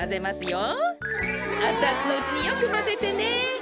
あつあつのうちによくまぜてね。